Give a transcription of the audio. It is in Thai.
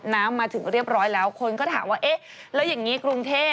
มาถึงเรียบร้อยแล้วคนก็ถามว่าเอ๊ะแล้วอย่างนี้กรุงเทพ